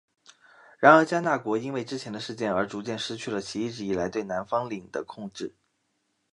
然而迦纳国因为之前的事件而逐渐失去了其一直以来对南方领的控制。